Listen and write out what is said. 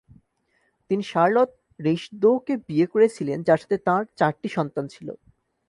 তিনি শার্লত রিশঁদো-কে বিয়ে করেছিলেন, যার সাথে তাঁর চারটি সন্তান ছিল।